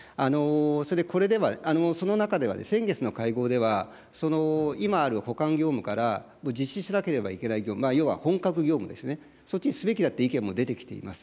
それで、これでは、その中では、先月の会合では、今ある補完業務から、実施しなければいけない業務、要は本格業務ですね、そっちにすべきだという意見も出てきています。